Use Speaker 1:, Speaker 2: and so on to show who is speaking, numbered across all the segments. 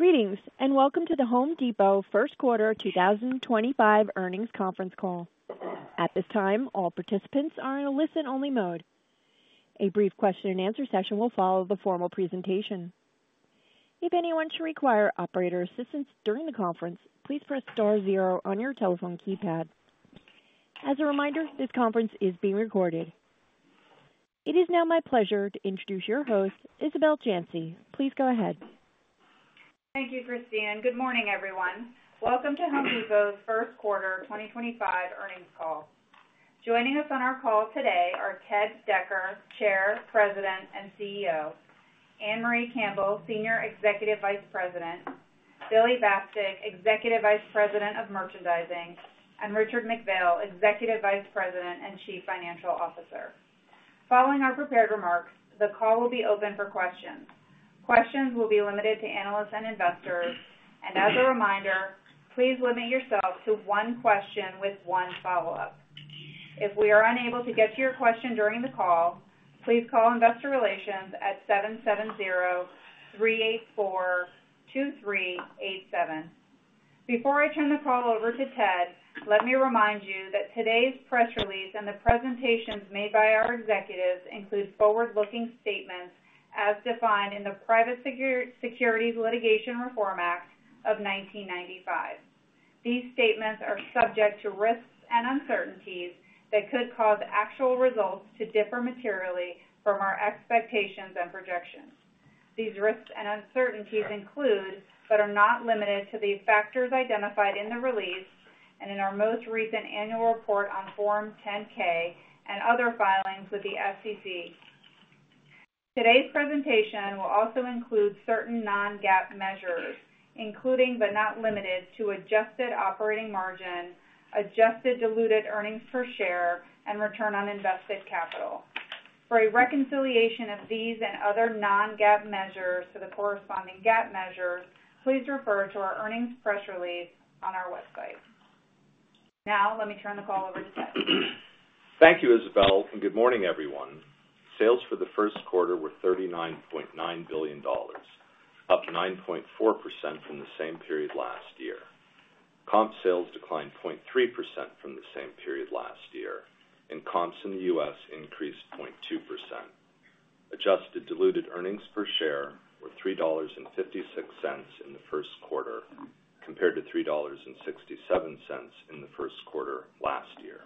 Speaker 1: Greetings, and welcome to the Home Depot first quarter 2025 earnings conference call. At this time, all participants are in a listen-only mode. A brief question and answer session will follow the formal presentation. If anyone should require operator assistance during the conference, please press star zero on your telephone keypad. As a reminder, this conference is being recorded. It is now my pleasure to introduce your host, Isabel Janci. Please go ahead.
Speaker 2: Thank you, Christine. Good morning, everyone. Welcome to Home Depot's first quarter 2025 earnings call. Joining us on our call today are Ted Decker, Chair, President, and CEO; Ann-Marie Campbell, Senior Executive Vice President; Billy Bastek, Executive Vice President of Merchandising; and Richard McPhail, Executive Vice President and Chief Financial Officer. Following our prepared remarks, the call will be open for questions. Questions will be limited to analysts and investors. As a reminder, please limit yourself to one question with one follow-up. If we are unable to get to your question during the call, please call investor relations at 770-384-2387. Before I turn the call over to Ted, let me remind you that today's press release and the presentations made by our executives include forward-looking statements as defined in the Private Securities Litigation Reform Act of 1995. These statements are subject to risks and uncertainties that could cause actual results to differ materially from our expectations and projections. These risks and uncertainties include, but are not limited to, the factors identified in the release and in our most recent annual report on Form 10-K and other filings with the SEC. Today's presentation will also include certain non-GAAP measures, including but not limited to adjusted operating margin, adjusted diluted earnings per share, and return on invested capital. For a reconciliation of these and other non-GAAP measures to the corresponding GAAP measures, please refer to our earnings press release on our website. Now, let me turn the call over to Ted.
Speaker 3: Thank you, Isabel, and good morning, everyone. Sales for the first quarter were $39.9 billion, up 9.4% from the same period last year. Comp sales declined 0.3% from the same period last year, and comps in the U.S. increased 0.2%. Adjusted diluted earnings per share were $3.56 in the first quarter, compared to $3.67 in the first quarter last year.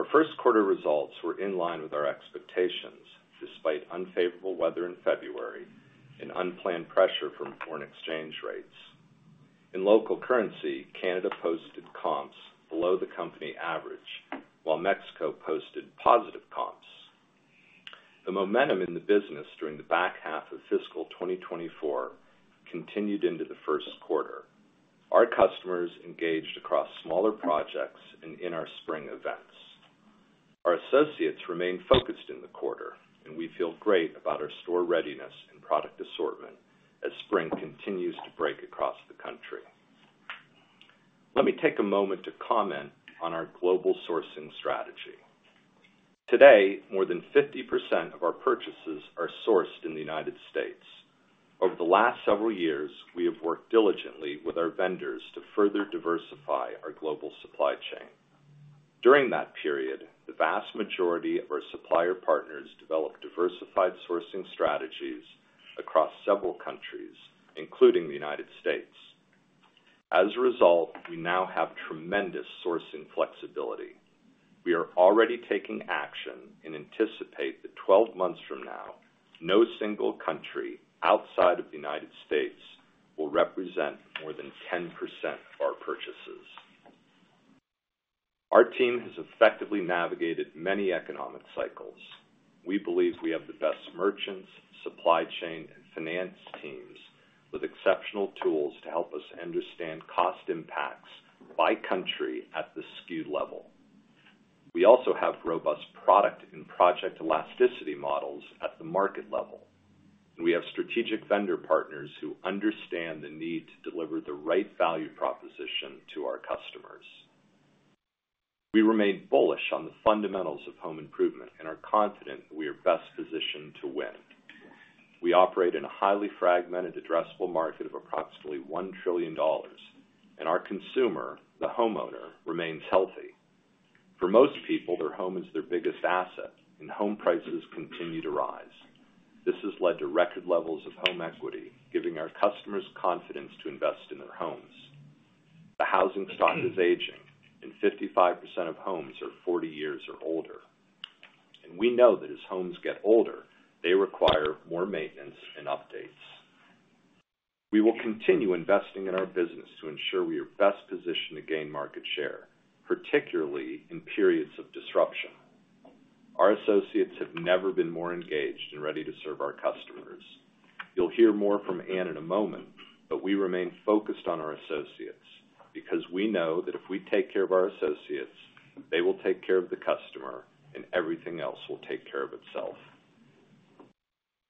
Speaker 3: Our first quarter results were in line with our expectations, despite unfavorable weather in February and unplanned pressure from foreign exchange rates. In local currency, Canada posted comps below the company average, while Mexico posted positive comps. The momentum in the business during the back half of fiscal 2024 continued into the first quarter. Our customers engaged across smaller projects and in our spring events. Our associates remained focused in the quarter, and we feel great about our store readiness and product assortment as spring continues to break across the country. Let me take a moment to comment on our global sourcing strategy. Today, more than 50% of our purchases are sourced in the United States. Over the last several years, we have worked diligently with our vendors to further diversify our global supply chain. During that period, the vast majority of our supplier partners developed diversified sourcing strategies across several countries, including the United States. As a result, we now have tremendous sourcing flexibility. We are already taking action and anticipate that 12 months from now, no single country outside of the United States will represent more than 10% of our purchases. Our team has effectively navigated many economic cycles. We believe we have the best merchants, supply chain, and finance teams with exceptional tools to help us understand cost impacts by country at the SKU level. We also have robust product and project elasticity models at the market level, and we have strategic vendor partners who understand the need to deliver the right value proposition to our customers. We remain bullish on the fundamentals of home improvement and are confident that we are best positioned to win. We operate in a highly fragmented, addressable market of approximately $1 trillion, and our consumer, the homeowner, remains healthy. For most people, their home is their biggest asset, and home prices continue to rise. This has led to record levels of home equity, giving our customers confidence to invest in their homes. The housing stock is aging, and 55% of homes are 40 years or older. We know that as homes get older, they require more maintenance and updates. We will continue investing in our business to ensure we are best positioned to gain market share, particularly in periods of disruption. Our associates have never been more engaged and ready to serve our customers. You'll hear more from Ann in a moment, but we remain focused on our associates because we know that if we take care of our associates, they will take care of the customer, and everything else will take care of itself.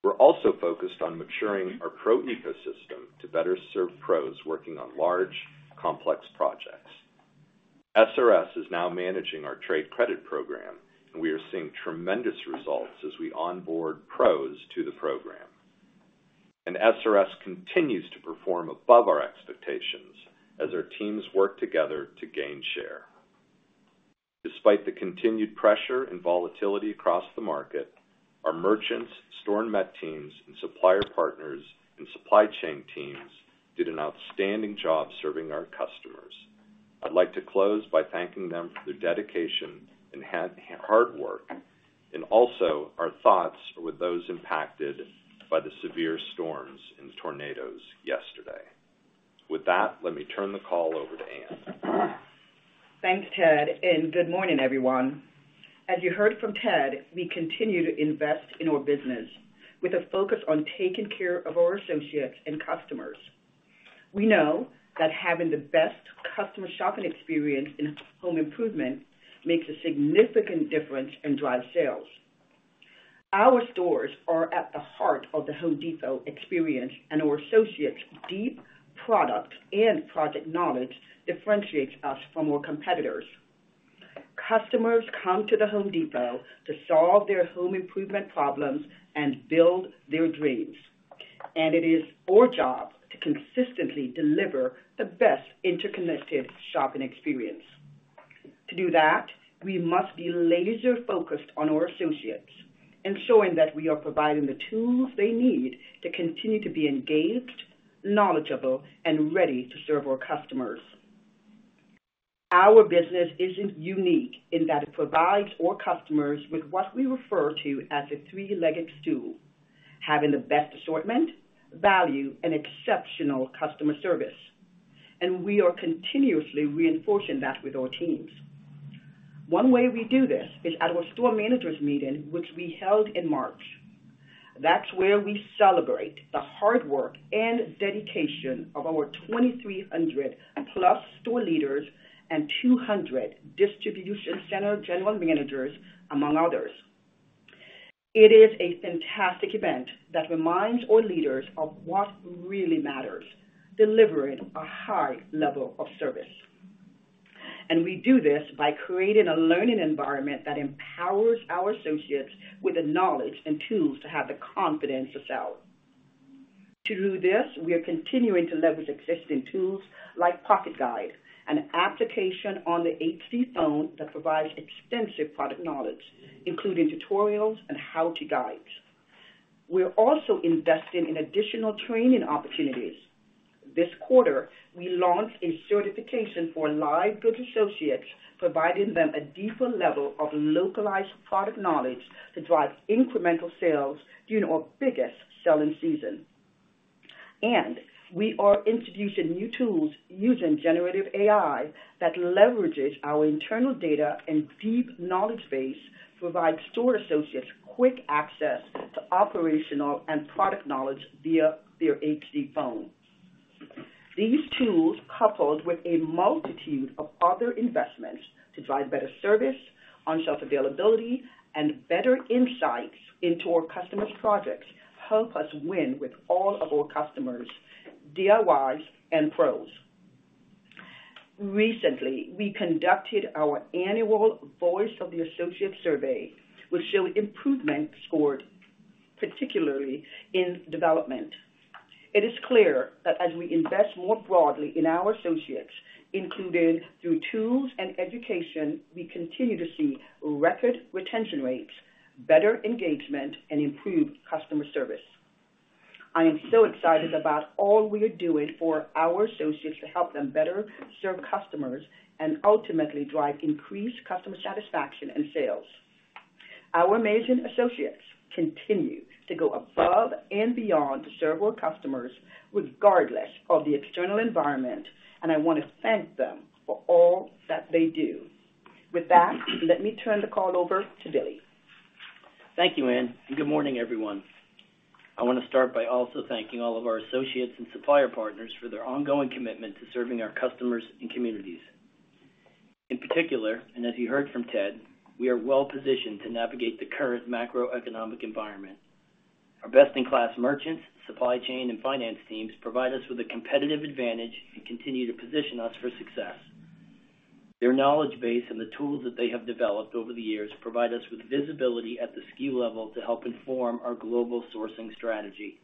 Speaker 3: We are also focused on maturing our pro ecosystem to better serve pros working on large, complex projects. SRS is now managing our trade credit program, and we are seeing tremendous results as we onboard pros to the program. SRS continues to perform above our expectations as our teams work together to gain share. Despite the continued pressure and volatility across the market, our merchants, store and vet teams, and supplier partners and supply chain teams did an outstanding job serving our customers. I'd like to close by thanking them for their dedication and hard work, and also our thoughts are with those impacted by the severe storms and tornadoes yesterday. With that, let me turn the call over to Ann.
Speaker 4: Thanks, Ted, and good morning, everyone. As you heard from Ted, we continue to invest in our business with a focus on taking care of our associates and customers. We know that having the best customer shopping experience in home improvement makes a significant difference and drives sales. Our stores are at the heart of the Home Depot experience, and our associates' deep product and project knowledge differentiates us from our competitors. Customers come to the Home Depot to solve their home improvement problems and build their dreams, and it is our job to consistently deliver the best interconnected shopping experience. To do that, we must be laser-focused on our associates, ensuring that we are providing the tools they need to continue to be engaged, knowledgeable, and ready to serve our customers. Our business is not unique in that it provides our customers with what we refer to as a three-legged stool: having the best assortment, value, and exceptional customer service. We are continuously reinforcing that with our teams. One way we do this is at our store managers' meeting, which we held in March. That is where we celebrate the hard work and dedication of our 2,300+ store leaders and 200 distribution center general managers, among others. It is a fantastic event that reminds our leaders of what really matters: delivering a high level of service. We do this by creating a learning environment that empowers our associates with the knowledge and tools to have the confidence to sell. To do this, we are continuing to leverage existing tools like Pocket Guide, an application on the HD phone that provides extensive product knowledge, including tutorials and how-to guides. We are also investing in additional training opportunities. This quarter, we launched a certification for live goods associates, providing them a deeper level of localized product knowledge to drive incremental sales during our biggest selling season. We are introducing new tools using generative AI that leverages our internal data and deep knowledge base to provide store associates quick access to operational and product knowledge via their HD phone. These tools, coupled with a multitude of other investments to drive better service, on-shelf availability, and better insights into our customers' projects, help us win with all of our customers, DIYs, and pros. Recently, we conducted our annual Voice of the Associates survey, which showed improvements scored particularly in development. It is clear that as we invest more broadly in our associates, including through tools and education, we continue to see record retention rates, better engagement, and improved customer service. I am so excited about all we are doing for our associates to help them better serve customers and ultimately drive increased customer satisfaction and sales. Our amazing associates continue to go above and beyond to serve our customers regardless of the external environment, and I want to thank them for all that they do. With that, let me turn the call over to Billy.
Speaker 5: Thank you, Ann. Good morning, everyone. I want to start by also thanking all of our associates and supplier partners for their ongoing commitment to serving our customers and communities. In particular, as you heard from Ted, we are well-positioned to navigate the current macroeconomic environment. Our best-in-class merchants, supply chain, and finance teams provide us with a competitive advantage and continue to position us for success. Their knowledge base and the tools that they have developed over the years provide us with visibility at the SKU level to help inform our global sourcing strategy.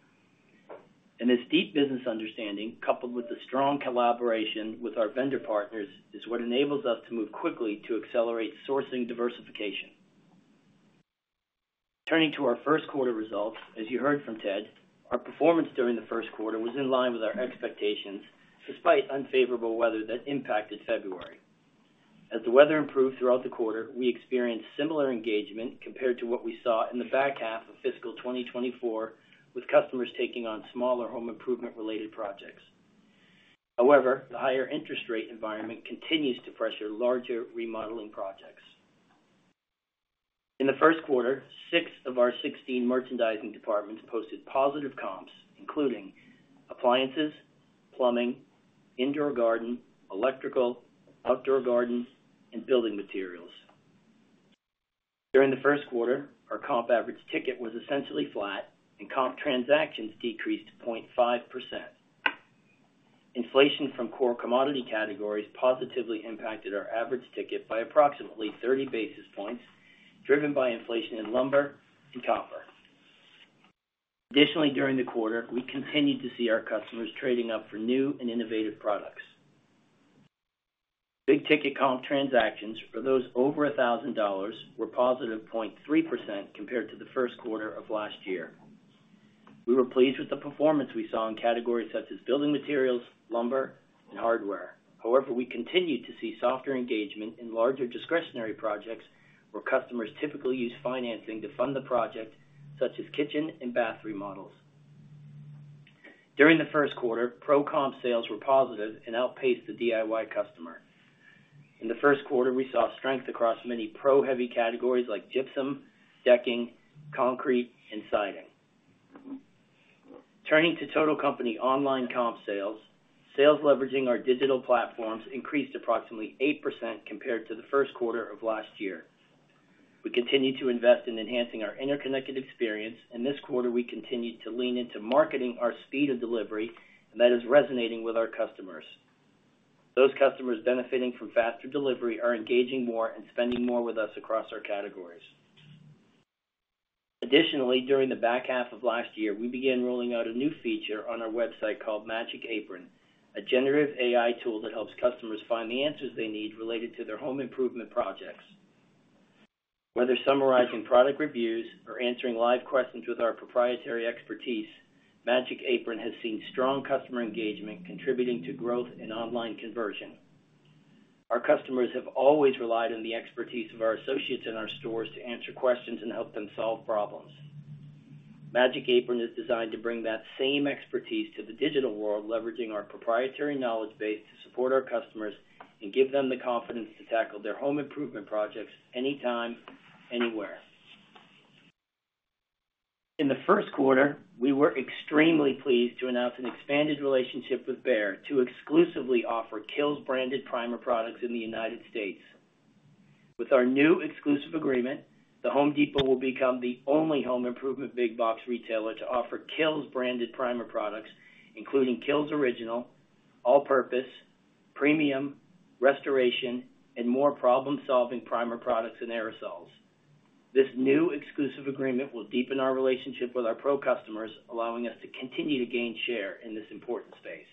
Speaker 5: This deep business understanding, coupled with the strong collaboration with our vendor partners, is what enables us to move quickly to accelerate sourcing diversification. Turning to our first quarter results, as you heard from Ted, our performance during the first quarter was in line with our expectations despite unfavorable weather that impacted February. As the weather improved throughout the quarter, we experienced similar engagement compared to what we saw in the back half of fiscal 2024, with customers taking on smaller home improvement-related projects. However, the higher interest rate environment continues to pressure larger remodeling projects. In the first quarter, six of our 16 merchandising departments posted positive comps, including appliances, plumbing, indoor garden, electrical, outdoor garden, and building materials. During the first quarter, our comp average ticket was essentially flat, and comp transactions decreased 0.5%. Inflation from core commodity categories positively impacted our average ticket by approximately 30 basis points, driven by inflation in lumber and copper. Additionally, during the quarter, we continued to see our customers trading up for new and innovative products. Big-ticket comp transactions for those over $1,000 were +0.3% compared to the first quarter of last year. We were pleased with the performance we saw in categories such as building materials, lumber, and hardware. However, we continued to see softer engagement in larger discretionary projects where customers typically use financing to fund the project, such as kitchen and bath remodels. During the first quarter, pro-comp sales were positive and outpaced the DIY customer. In the first quarter, we saw strength across many pro-heavy categories like gypsum, decking, concrete, and siding. Turning to total company online comp sales, sales leveraging our digital platforms increased approximately 8% compared to the first quarter of last year. We continue to invest in enhancing our interconnected experience, and this quarter, we continued to lean into marketing our speed of delivery that is resonating with our customers. Those customers benefiting from faster delivery are engaging more and spending more with us across our categories. Additionally, during the back half of last year, we began rolling out a new feature on our website called Magic Apron, a generative AI tool that helps customers find the answers they need related to their home improvement projects. Whether summarizing product reviews or answering live questions with our proprietary expertise, Magic Apron has seen strong customer engagement contributing to growth and online conversion. Our customers have always relied on the expertise of our associates in our stores to answer questions and help them solve problems. Magic Apron is designed to bring that same expertise to the digital world, leveraging our proprietary knowledge base to support our customers and give them the confidence to tackle their home improvement projects anytime, anywhere. In the first quarter, we were extremely pleased to announce an expanded relationship with Behr to exclusively offer KILZ-branded primer products in the United States. With our new exclusive agreement, The Home Depot will become the only home improvement big box retailer to offer KILZ-branded primer products, including KILZ Original, All-purpose, Premium, Restoration, and more problem-solving primer products and aerosols. This new exclusive agreement will deepen our relationship with our pro customers, allowing us to continue to gain share in this important space.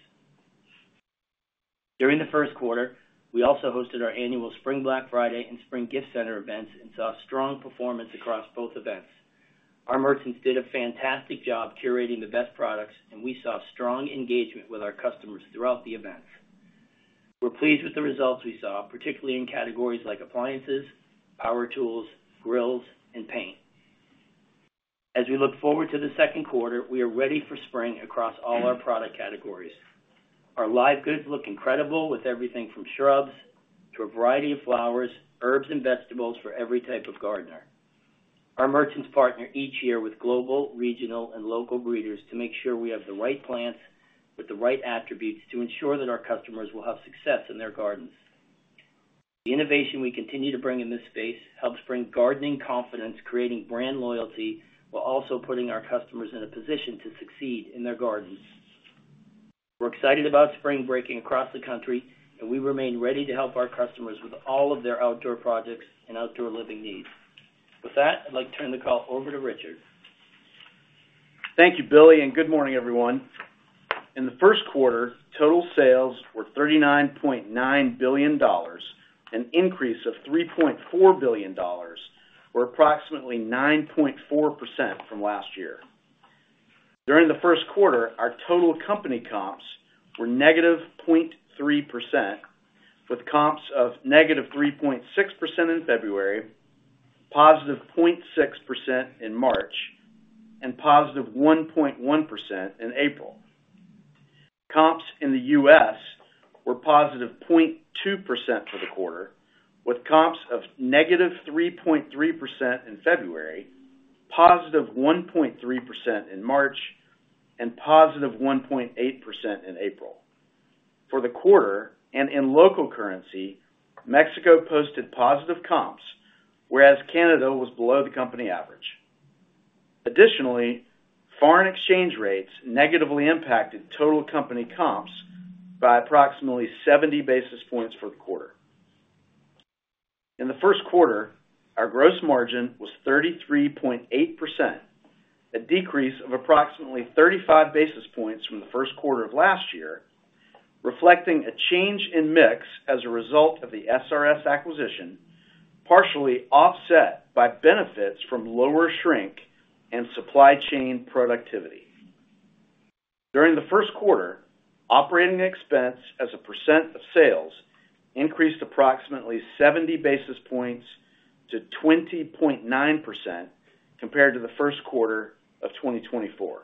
Speaker 5: During the first quarter, we also hosted our annual Spring Black Friday and Spring Gift Center events and saw strong performance across both events. Our merchants did a fantastic job curating the best products, and we saw strong engagement with our customers throughout the events. We're pleased with the results we saw, particularly in categories like appliances, power tools, grills, and paint. As we look forward to the second quarter, we are ready for spring across all our product categories. Our live goods look incredible with everything from shrubs to a variety of flowers, herbs, and vegetables for every type of gardener. Our merchants partner each year with global, regional, and local breeders to make sure we have the right plants with the right attributes to ensure that our customers will have success in their gardens. The innovation we continue to bring in this space helps bring gardening confidence, creating brand loyalty, while also putting our customers in a position to succeed in their gardens. We're excited about spring breaking across the country, and we remain ready to help our customers with all of their outdoor projects and outdoor living needs. With that, I'd like to turn the call over to Richard.
Speaker 6: Thank you, Billy, and good morning, everyone. In the first quarter, total sales were $39.9 billion, an increase of $3.4 billion, or approximately 9.4% from last year. During the first quarter, our total company comps were -0.3%, with comps of -3.6% in February, +0.6% in March, and +1.1% in April. Comps in the U.S. were +0.2% for the quarter, with comps of -3.3% in February, +1.3% in March, and +1.8% in April. For the quarter, and in local currency, Mexico posted positive comps, whereas Canada was below the company average. Additionally, foreign exchange rates negatively impacted total company comps by approximately 70 basis points for the quarter. In the first quarter, our gross margin was 33.8%, a decrease of approximately 35 basis points from the first quarter of last year, reflecting a change in mix as a result of the SRS acquisition, partially offset by benefits from lower shrink and supply chain productivity. During the first quarter, operating expense as a percent of sales increased approximately 70 basis points to 20.9% compared to the first quarter of 2024.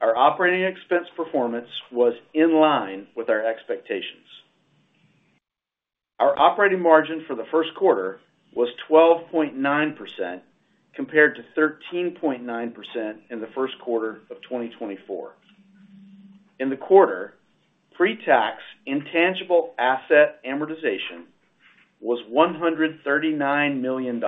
Speaker 6: Our operating expense performance was in line with our expectations. Our operating margin for the first quarter was 12.9% compared to 13.9% in the first quarter of 2024. In the quarter, pre-tax intangible asset amortization was $139 million.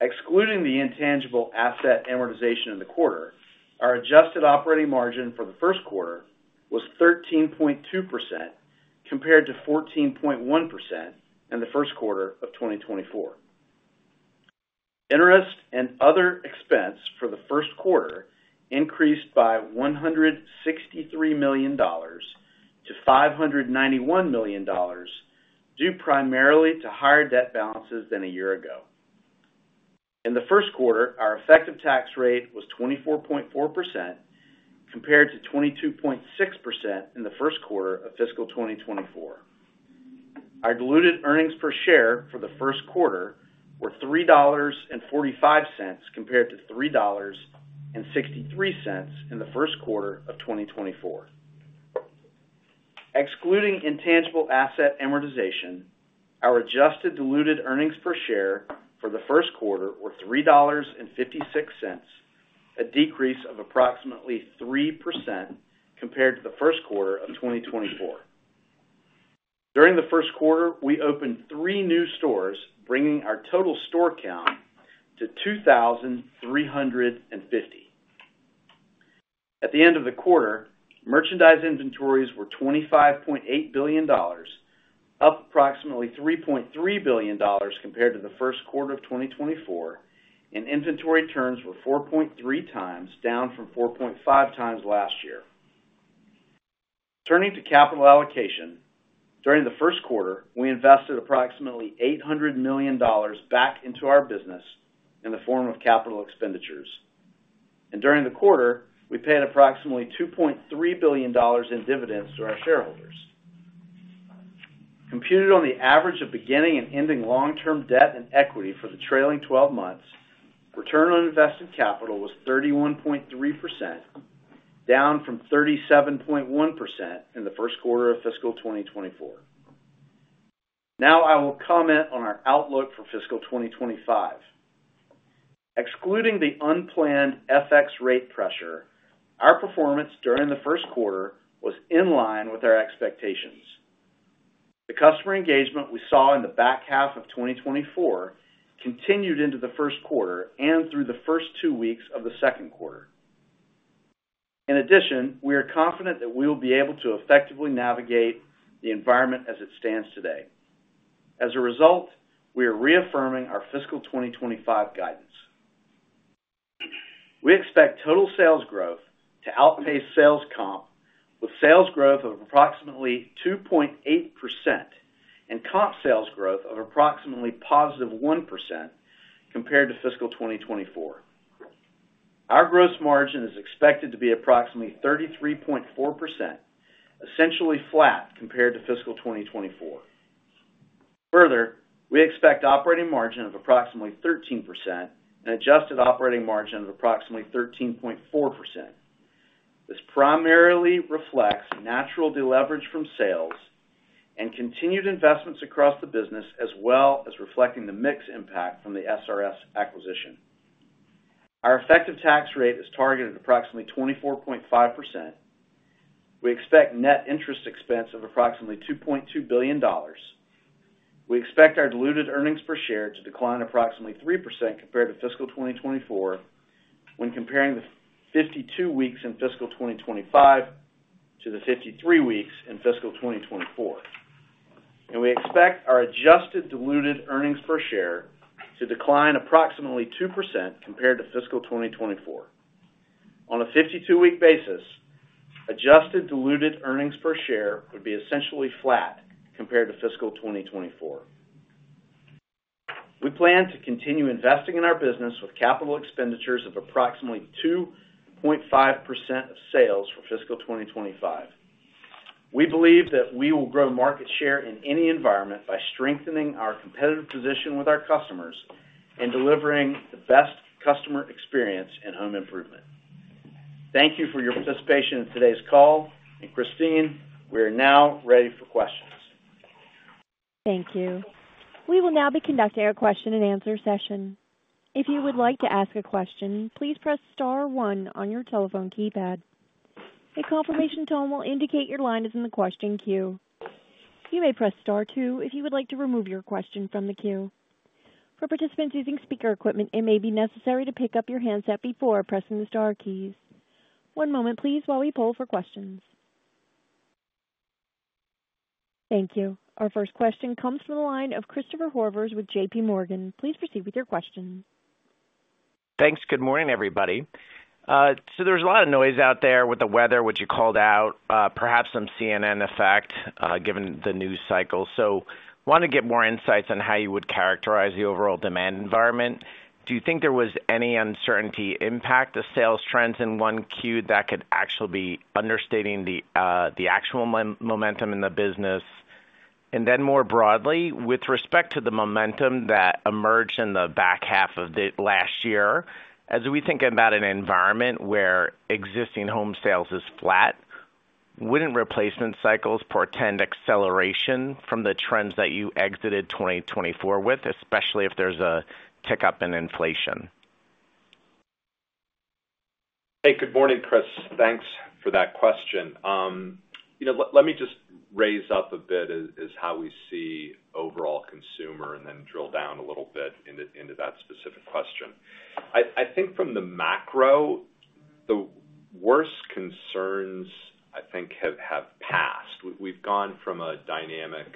Speaker 6: Excluding the intangible asset amortization in the quarter, our adjusted operating margin for the first quarter was 13.2% compared to 14.1% in the first quarter of 2024. Interest and other expense for the first quarter increased by $163 million to $591 million due primarily to higher debt balances than a year ago. In the first quarter, our effective tax rate was 24.4% compared to 22.6% in the first quarter of fiscal 2024. Our diluted earnings per share for the first quarter were $3.45 compared to $3.63 in the first quarter of 2024. Excluding intangible asset amortization, our adjusted diluted earnings per share for the first quarter were $3.56, a decrease of approximately 3% compared to the first quarter of 2024. During the first quarter, we opened three new stores, bringing our total store count to 2,350. At the end of the quarter, merchandise inventories were $25.8 billion, up approximately $3.3 billion compared to the first quarter of 2024, and inventory turns were 4.3x down from 4.5x last year. Turning to capital allocation, during the first quarter, we invested approximately $800 million back into our business in the form of capital expenditures. During the quarter, we paid approximately $2.3 billion in dividends to our shareholders. Computed on the average of beginning and ending long-term debt and equity for the trailing 12 months, return on invested capital was 31.3%, down from 37.1% in the first quarter of fiscal 2024. Now I will comment on our outlook for fiscal 2025. Excluding the unplanned FX rate pressure, our performance during the first quarter was in line with our expectations. The customer engagement we saw in the back half of 2024 continued into the first quarter and through the first two weeks of the second quarter. In addition, we are confident that we will be able to effectively navigate the environment as it stands today. As a result, we are reaffirming our fiscal 2025 guidance. We expect total sales growth to outpace sales comp, with sales growth of approximately 2.8% and comp sales growth of approximately +1% compared to fiscal 2024. Our gross margin is expected to be approximately 33.4%, essentially flat compared to fiscal 2024. Further, we expect operating margin of approximately 13% and adjusted operating margin of approximately 13.4%. This primarily reflects natural deleverage from sales and continued investments across the business, as well as reflecting the mix impact from the SRS acquisition. Our effective tax rate is targeted at approximately 24.5%. We expect net interest expense of approximately $2.2 billion. We expect our diluted earnings per share to decline approximately 3% compared to fiscal 2024 when comparing the 52 weeks in fiscal 2025 to the 53 weeks in fiscal 2024. We expect our adjusted diluted earnings per share to decline approximately 2% compared to fiscal 2024. On a 52-week basis, adjusted diluted earnings per share would be essentially flat compared to fiscal 2024. We plan to continue investing in our business with capital expenditures of approximately 2.5% of sales for fiscal 2025. We believe that we will grow market share in any environment by strengthening our competitive position with our customers and delivering the best customer experience in home improvement. Thank you for your participation in today's call. Christine, we are now ready for questions.
Speaker 1: Thank you. We will now be conducting a question and answer session. If you would like to ask a question, please press Star one on your telephone keypad. A confirmation tone will indicate your line is in the question queue. You may press Star two if you would like to remove your question from the queue. For participants using speaker equipment, it may be necessary to pick up your handset before pressing the Star keys. One moment, please, while we pull for questions. Thank you. Our first question comes from the line of Christopher Horvers with JPMorgan. Please proceed with your question.
Speaker 7: Thanks. Good morning, everybody. There's a lot of noise out there with the weather, which you called out, perhaps some CNN effect given the news cycle. I wanted to get more insights on how you would characterize the overall demand environment. Do you think there was any uncertainty impact of sales trends in Q1 that could actually be understating the actual momentum in the business? More broadly, with respect to the momentum that emerged in the back half of last year, as we think about an environment where existing home sales is flat, wouldn't replacement cycles portend acceleration from the trends that you exited 2024 with, especially if there's a tick up in inflation?
Speaker 3: Hey, good morning, Chris. Thanks for that question. Let me just raise up a bit is how we see overall consumer and then drill down a little bit into that specific question. I think from the macro, the worst concerns I think have passed. We've gone from a dynamic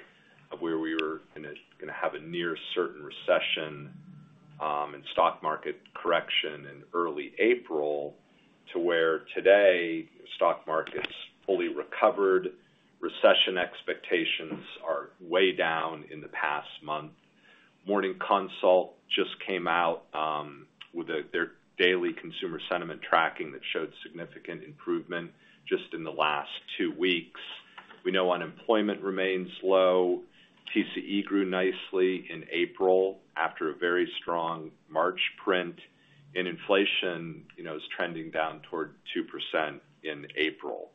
Speaker 3: of where we were going to have a near certain recession and stock market correction in early April to where today stock markets fully recovered. Recession expectations are way down in the past month. Morning Consult just came out with their daily consumer sentiment tracking that showed significant improvement just in the last two weeks. We know unemployment remains low. TCE grew nicely in April after a very strong March print, and inflation is trending down toward 2% in April.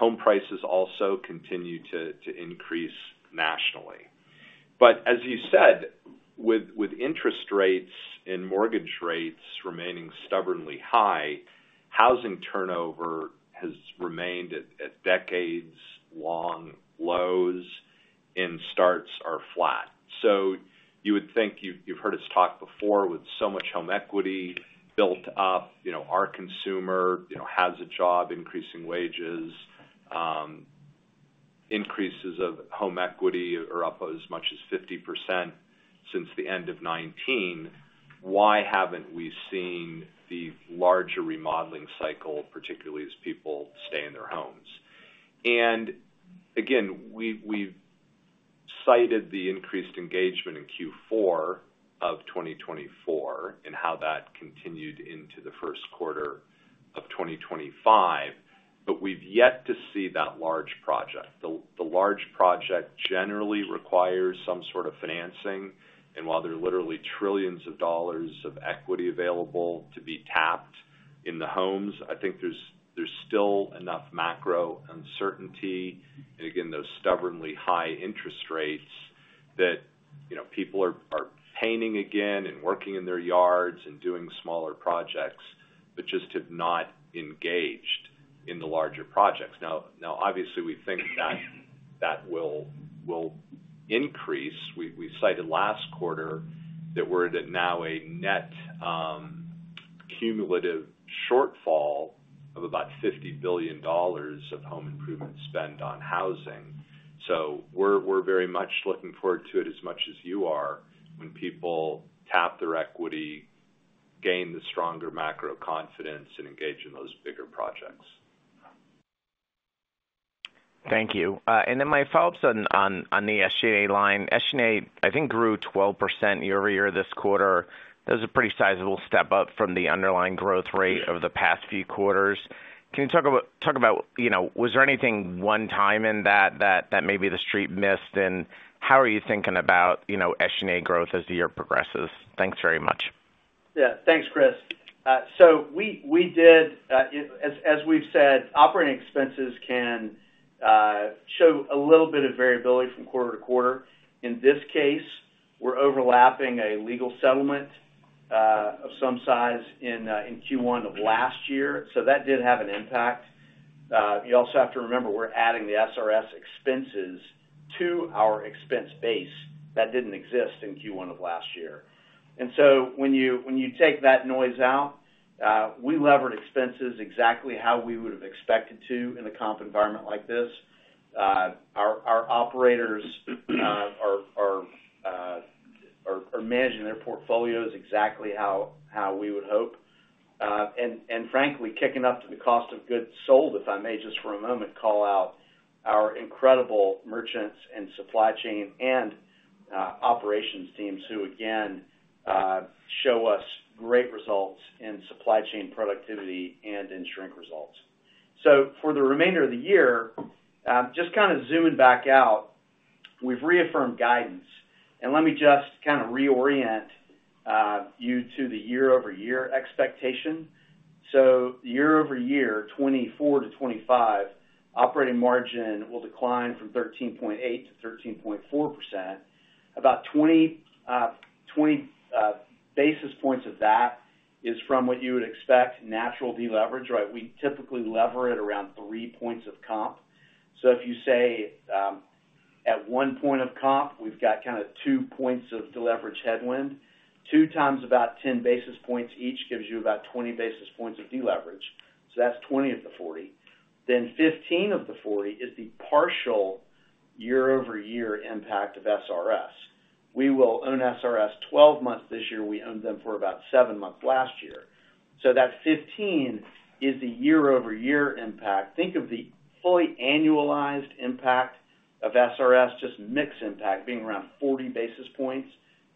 Speaker 3: Home prices also continue to increase nationally. As you said, with interest rates and mortgage rates remaining stubbornly high, housing turnover has remained at decades-long lows and starts are flat. You would think you've heard us talk before with so much home equity built up. Our consumer has a job, increasing wages, increases of home equity are up as much as 50% since the end of 2019. Why haven't we seen the larger remodeling cycle, particularly as people stay in their homes? Again, we've cited the increased engagement in Q4 of 2024 and how that continued into the first quarter of 2025, but we've yet to see that large project. The large project generally requires some sort of financing, and while there are literally trillions of dollars of equity available to be tapped in the homes, I think there's still enough macro uncertainty. Those stubbornly high interest rates that people are painting again and working in their yards and doing smaller projects, but just have not engaged in the larger projects. Obviously, we think that will increase. We cited last quarter that we are at now a net cumulative shortfall of about $50 billion of home improvement spend on housing. We are very much looking forward to it as much as you are when people tap their equity, gain the stronger macro confidence, and engage in those bigger projects.
Speaker 7: Thank you. My follow-up on the SG&A line. SG&A, I think, grew 12% year-over-year this quarter. That was a pretty sizable step up from the underlying growth rate over the past few quarters. Can you talk about was there anything one time in that that maybe the street missed? How are you thinking about SG&A growth as the year progresses? Thanks very much.
Speaker 6: Yeah, thanks, Chris. We did, as we've said, operating expenses can show a little bit of variability from quarter to quarter. In this case, we're overlapping a legal settlement of some size in Q1 of last year. That did have an impact. You also have to remember we're adding the SRS expenses to our expense base that didn't exist in Q1 of last year. When you take that noise out, we levered expenses exactly how we would have expected to in a comp environment like this. Our operators are managing their portfolios exactly how we would hope. Frankly, kicking up to the cost of goods sold, if I may just for a moment call out our incredible merchants and supply chain and operations teams who, again, show us great results in supply chain productivity and in shrink results. For the remainder of the year, just kind of zooming back out, we've reaffirmed guidance. Let me just kind of reorient you to the year-over-year expectation. Year-over-year, 2024-2025, operating margin will decline from 13.8% to 13.4%. About 20 basis points of that is from what you would expect natural deleverage, right? We typically lever it around three points of comp. If you say at one point of comp, we've got kind of two points of deleverage headwind. 2x about 10 basis points each gives you about 20 basis points of deleverage. That is 20 of the 40. 15 of the 40 is the partial year-over-year impact of SRS. We will own SRS 12 months this year. We owned them for about seven months last year. That 15 is the year-over-year impact. Think of the fully annualized impact of SRS, just mixed impact being around 40 basis points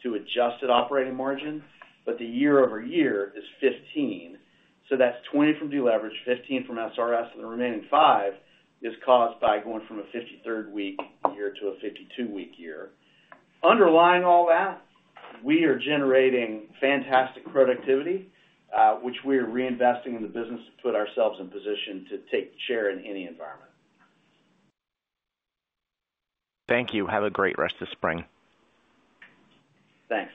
Speaker 6: to adjusted operating margin. The year-over-year is 15. That is 20 from deleverage, 15 from SRS, and the remaining 5 is caused by going from a 53rd-week year to a 52-week year. Underlying all that, we are generating fantastic productivity, which we are reinvesting in the business to put ourselves in position to take share in any environment.
Speaker 7: Thank you. Have a great rest of spring.
Speaker 6: Thanks.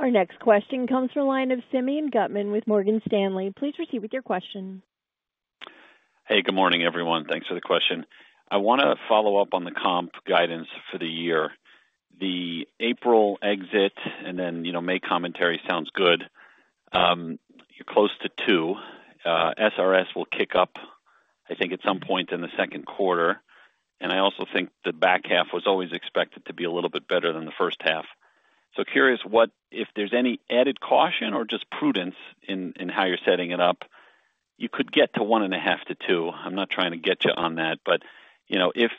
Speaker 1: Our next question comes from the line of Simeon Gutman with Morgan Stanley. Please proceed with your question.
Speaker 8: Hey, good morning, everyone. Thanks for the question. I want to follow up on the comp guidance for the year. The April exit and then May commentary sounds good. You're close to two. SRS will kick up, I think, at some point in the second quarter. I also think the back half was always expected to be a little bit better than the first half. Curious if there's any added caution or just prudence in how you're setting it up. You could get to one and a half to two. I'm not trying to get you on that. If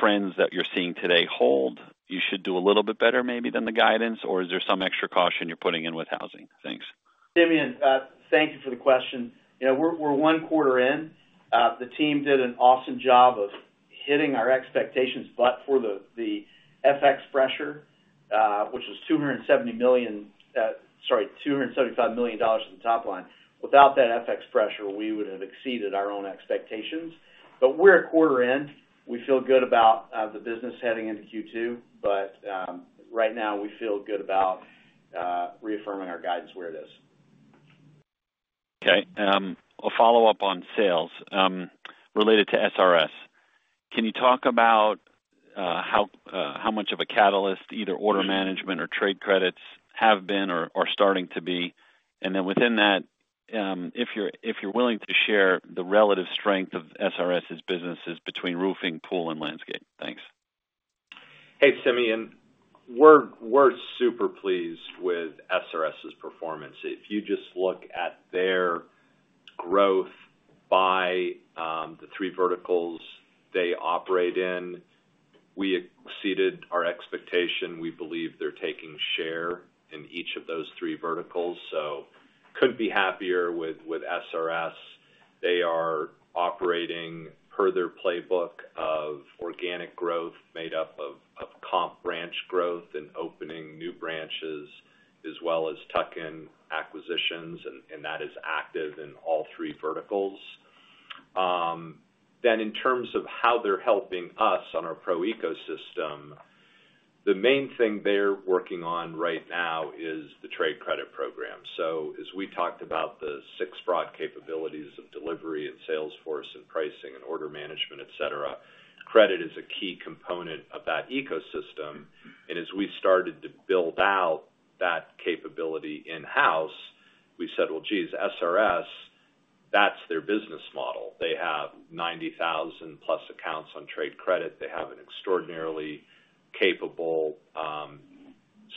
Speaker 8: trends that you're seeing today hold, you should do a little bit better maybe than the guidance, or is there some extra caution you're putting in with housing? Thanks.
Speaker 6: Simeon, thank you for the question. We're one quarter in. The team did an awesome job of hitting our expectations, except for the FX pressure, which was $275 million at the top line. Without that FX pressure, we would have exceeded our own expectations. We're a quarter in. We feel good about the business heading into Q2. Right now, we feel good about reaffirming our guidance where it is.
Speaker 8: Okay. I'll follow up on sales related to SRS. Can you talk about how much of a catalyst either order management or trade credits have been or are starting to be? Within that, if you're willing to share the relative strength of SRS's businesses between roofing, pool, and landscape. Thanks.
Speaker 3: Hey, Simeon. We're super pleased with SRS's performance. If you just look at their growth by the three verticals they operate in, we exceeded our expectation. We believe they're taking share in each of those three verticals. So couldn't be happier with SRS. They are operating per their playbook of organic growth made up of comp branch growth and opening new branches, as well as tuck-in acquisitions. That is active in all three verticals. In terms of how they're helping us on our pro ecosystem, the main thing they're working on right now is the trade credit program. As we talked about the six broad capabilities of delivery and sales force and pricing and order management, etc., credit is a key component of that ecosystem. As we started to build out that capability in-house, we said, "Well, geez, SRS, that's their business model." They have 90,000+ accounts on trade credit. They have an extraordinarily capable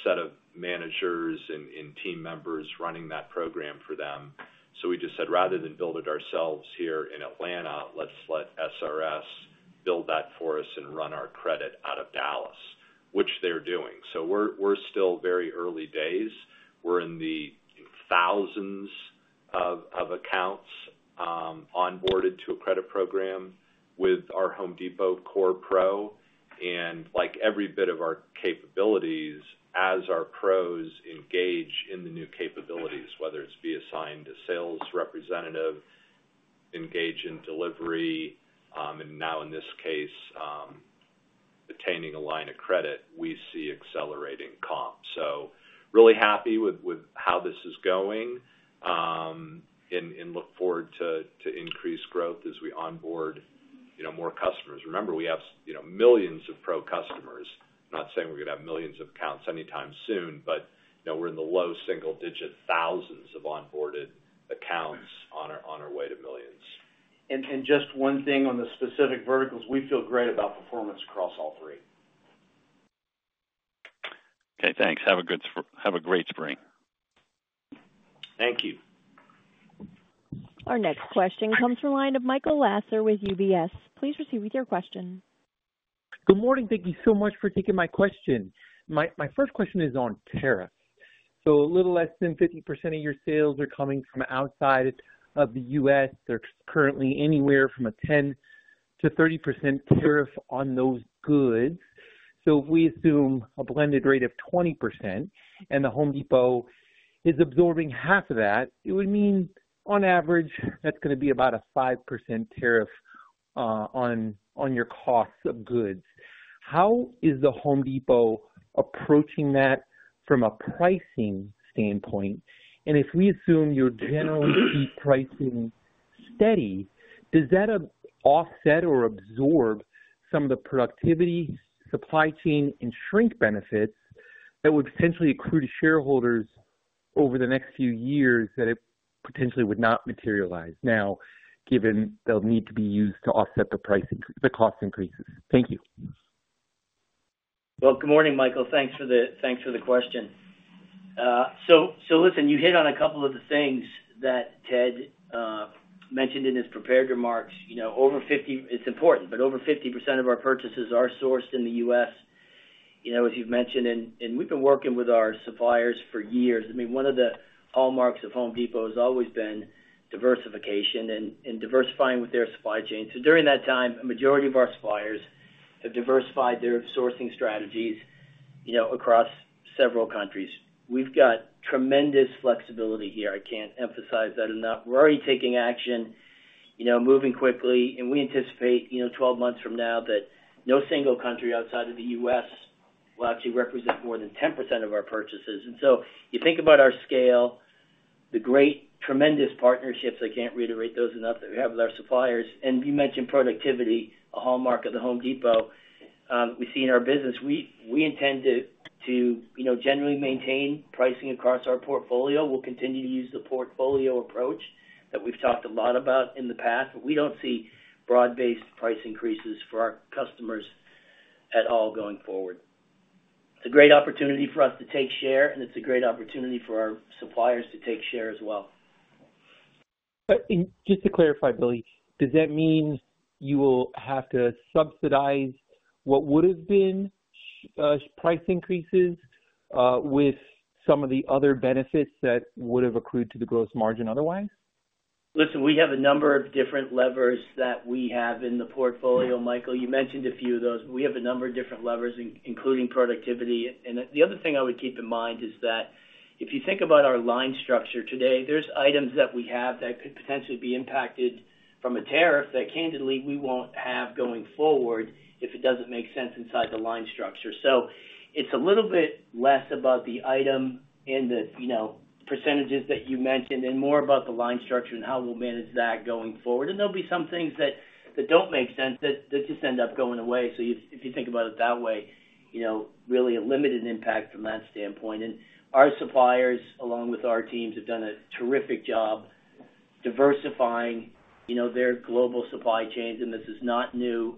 Speaker 3: set of managers and team members running that program for them. We just said, "Rather than build it ourselves here in Atlanta, let's let SRS build that for us and run our credit out of Dallas," which they're doing. We are still very early days. We are in the thousands of accounts onboarded to a credit program with our Home Depot Core Pro. Like every bit of our capabilities, as our pros engage in the new capabilities, whether it's be assigned a sales representative, engage in delivery, and now in this case, attaining a line of credit, we see accelerating comp. Really happy with how this is going and look forward to increased growth as we onboard more customers. Remember, we have millions of pro customers. I'm not saying we're going to have millions of accounts anytime soon, but we're in the low single-digit thousands of onboarded accounts on our way to millions.
Speaker 6: Just one thing on the specific verticals, we feel great about performance across all three.
Speaker 8: Okay. Thanks. Have a great spring.
Speaker 6: Thank you.
Speaker 1: Our next question comes from the line of Michael Lasser with UBS. Please proceed with your question.
Speaker 9: Good morning. Thank you so much for taking my question. My first question is on tariffs. A little less than 50% of your sales are coming from outside of the U.S. There is currently anywhere from a 10%-30% tariff on those goods. If we assume a blended rate of 20% and The Home Depot is absorbing half of that, it would mean on average, that is going to be about a 5% tariff on your cost of goods. How is The Home Depot approaching that from a pricing standpoint? If we assume you generally keep pricing steady, does that offset or absorb some of the productivity, supply chain, and shrink benefits that would potentially accrue to shareholders over the next few years that it potentially would not materialize now, given they will need to be used to offset the cost increases? Thank you.
Speaker 5: Good morning, Michael. Thanks for the question. You hit on a couple of the things that Ted mentioned in his prepared remarks. It is important, but over 50% of our purchases are sourced in the U.S., as you have mentioned. We have been working with our suppliers for years. I mean, one of the hallmarks of Home Depot has always been diversification and diversifying with their supply chain. During that time, a majority of our suppliers have diversified their sourcing strategies across several countries. We have got tremendous flexibility here. I cannot emphasize that enough. We are already taking action, moving quickly. We anticipate 12 months from now that no single country outside of the U.S. will actually represent more than 10% of our purchases. You think about our scale, the great, tremendous partnerships—I cannot reiterate those enough that we have with our suppliers. You mentioned productivity, a hallmark of The Home Depot. We see in our business, we intend to generally maintain pricing across our portfolio. We will continue to use the portfolio approach that we have talked a lot about in the past. We do not see broad-based price increases for our customers at all going forward. It is a great opportunity for us to take share, and it is a great opportunity for our suppliers to take share as well.
Speaker 9: Just to clarify, Billy, does that mean you will have to subsidize what would have been price increases with some of the other benefits that would have accrued to the gross margin otherwise?
Speaker 5: Listen, we have a number of different levers that we have in the portfolio, Michael. You mentioned a few of those. We have a number of different levers, including productivity. The other thing I would keep in mind is that if you think about our line structure today, there are items that we have that could potentially be impacted from a tariff that, candidly, we will not have going forward if it does not make sense inside the line structure. It is a little bit less about the item and the percentages that you mentioned and more about the line structure and how we will manage that going forward. There will be some things that do not make sense that just end up going away. If you think about it that way, really a limited impact from that standpoint. Our suppliers, along with our teams, have done a terrific job diversifying their global supply chains. This is not new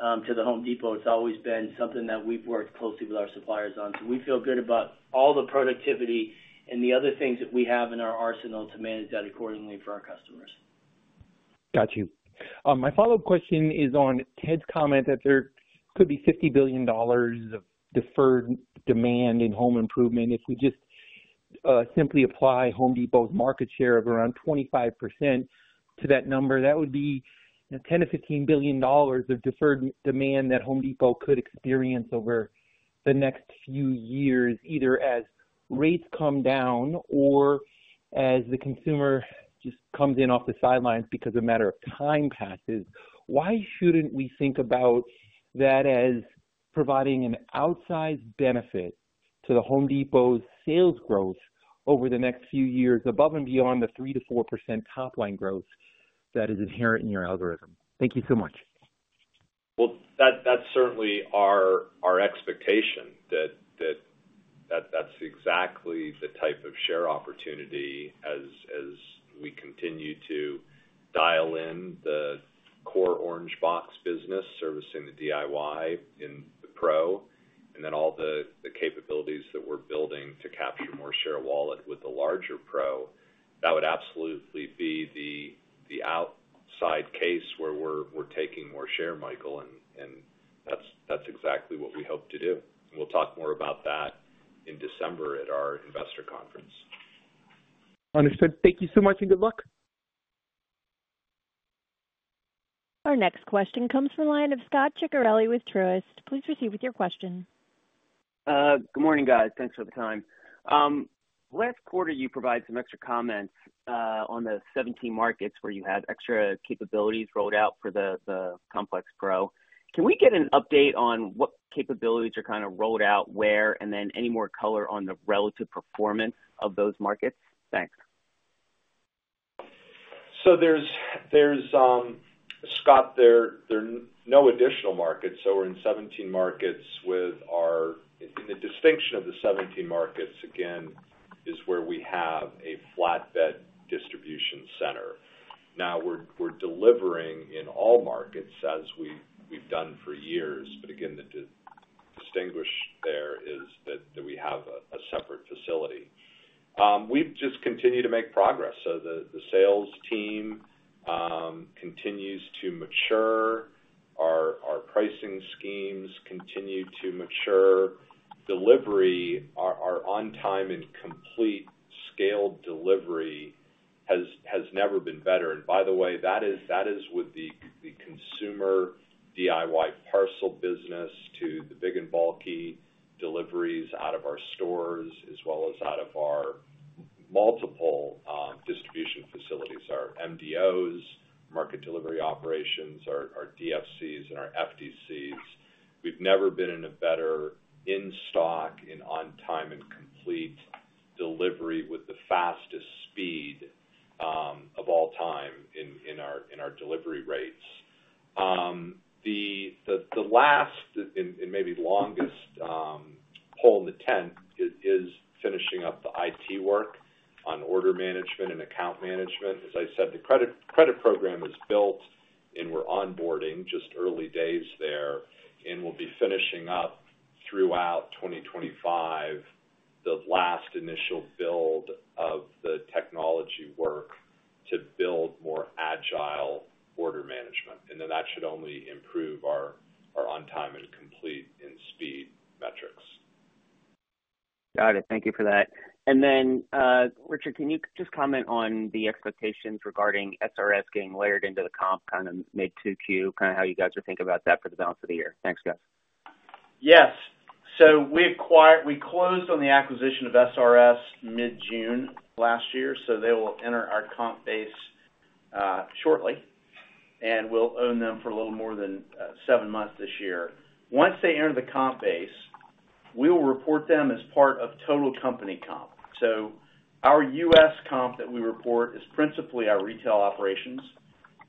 Speaker 5: to The Home Depot. It has always been something that we have worked closely with our suppliers on. We feel good about all the productivity and the other things that we have in our arsenal to manage that accordingly for our customers.
Speaker 9: Gotcha. My follow-up question is on Ted's comment that there could be $50 billion of deferred demand in home improvement. If we just simply apply Home Depot's market share of around 25% to that number, that would be $10-$15 billion of deferred demand that Home Depot could experience over the next few years, either as rates come down or as the consumer just comes in off the sidelines because a matter of time passes. Why shouldn't we think about that as providing an outsized benefit to Home Depot's sales growth over the next few years above and beyond the 3%-4% top line growth that is inherent in your algorithm? Thank you so much.
Speaker 3: That is certainly our expectation that that is exactly the type of share opportunity as we continue to dial in the core orange box business servicing the DIY in the Pro and then all the capabilities that we are building to capture more share wallet with the larger Pro. That would absolutely be the outside case where we are taking more share, Michael. That is exactly what we hope to do. We will talk more about that in December at our investor conference.
Speaker 9: Understood. Thank you so much and good luck.
Speaker 1: Our next question comes from the line of Scot Ciccarelli with Truist. Please proceed with your question.
Speaker 10: Good morning, guys. Thanks for the time. Last quarter, you provided some extra comments on the 17 markets where you have extra capabilities rolled out for the Complex Pro. Can we get an update on what capabilities are kind of rolled out where and then any more color on the relative performance of those markets? Thanks.
Speaker 3: Scott, there are no additional markets. We're in 17 markets with our—and the distinction of the 17 markets, again, is where we have a flatbed distribution center. We're delivering in all markets as we've done for years. Again, the distinguish there is that we have a separate facility. We've just continued to make progress. The sales team continues to mature. Our pricing schemes continue to mature. Delivery, our on-time and complete scaled delivery has never been better. By the way, that is with the consumer DIY parcel business to the big and bulky deliveries out of our stores as well as out of our multiple distribution facilities, our MDOs, market delivery operations, our DFCs, and our FDCs. We've never been in a better in-stock, in-on-time, and complete delivery with the fastest speed of all time in our delivery rates. The last and maybe longest hole in the tent is finishing up the IT work on order management and account management. As I said, the credit program is built, and we're onboarding just early days there and will be finishing up throughout 2025 the last initial build of the technology work to build more agile order management. That should only improve our on-time and complete and speed metrics.
Speaker 10: Got it. Thank you for that. Richard, can you just comment on the expectations regarding SRS getting layered into the comp kind of mid-Q, kind of how you guys are thinking about that for the balance of the year? Thanks, guys.
Speaker 6: Yes. We closed on the acquisition of SRS mid-June last year. They will enter our comp base shortly, and we'll own them for a little more than seven months this year. Once they enter the comp base, we will report them as part of total company comp. Our U.S. comp that we report is principally our retail operations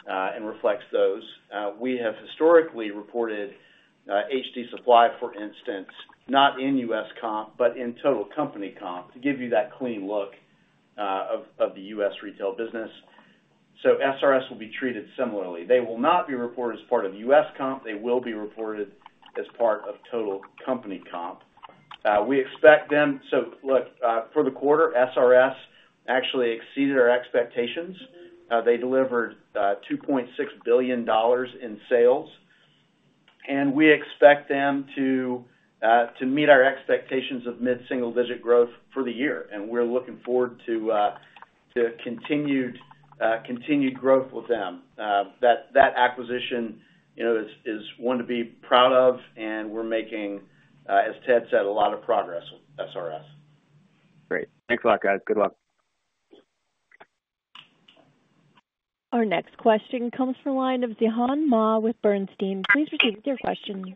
Speaker 6: and reflects those. We have historically reported HD Supply, for instance, not in U.S. comp, but in total company comp to give you that clean look of the U.S. retail business. SRS will be treated similarly. They will not be reported as part of U.S. comp. They will be reported as part of total company comp. For the quarter, SRS actually exceeded our expectations. They delivered $2.6 billion in sales. We expect them to meet our expectations of mid-single-digit growth for the year. We are looking forward to continued growth with them. That acquisition is one to be proud of. We are making, as Ted said, a lot of progress with SRS.
Speaker 10: Great. Thanks a lot, guys. Good luck.
Speaker 1: Our next question comes from the line of Zhihan Ma with Bernstein. Please proceed with your question.